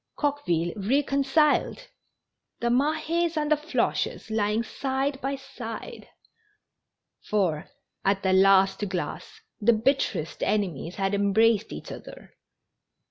Coqueville reconciled I The Mahes and the Floches lying side by side ! For, at the last glass, the bitterest enemies had embraced each other.